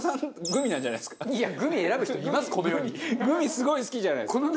グミすごい好きじゃないですか。